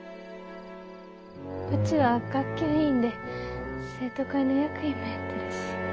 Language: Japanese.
うちは学級委員で生徒会の役員もやってるし。